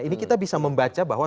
ini kita bisa membaca bahwa